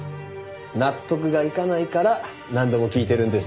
納得がいかないから何度も聞いてるんです。